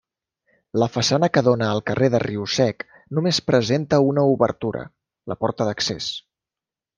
La façana que dóna al carrer de Riu-Sec només presenta una obertura, la porta d'accés.